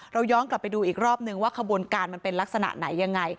เราย้อนกลับไปดูอีกรอบนึงว่าขบวนการมันเป็นลักษณะไหนยังไง